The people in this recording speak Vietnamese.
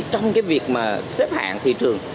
trong việc xếp hạng thị trường